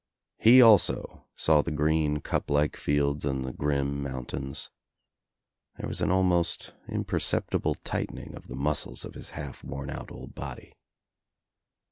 He also saw the green cup like fields and the grim mountains. There was an almost imper ceptible tightening of the muscles of his half worn out old body.